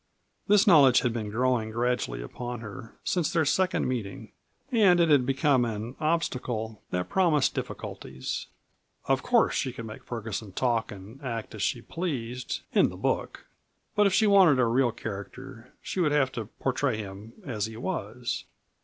This knowledge had been growing gradually upon her since their second meeting, and it had become an obstacle that promised difficulties. Of course she could make Ferguson talk and act as she pleased in the book. But if she wanted a real character she would have to portray him as he was.